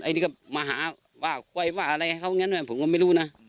อันนี้ก็มาหาว่าคุยว่าอะไรเขาอย่างนั้นด้วยผมก็ไม่รู้นะ